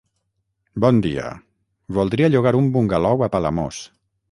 Bon dia, voldria llogar un bungalou a Palamós.